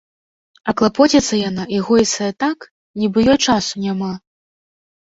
А клапоціцца яна і гойсае так, нібы ёй часу няма.